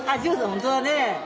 本当だね。